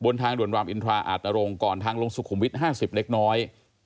ทางด่วนรามอินทราอาจนรงค์ก่อนทางลงสุขุมวิท๕๐เล็กน้อย